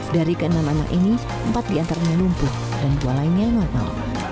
dari keenam anak ini empat diantaranya lumpuh dan dua lainnya normal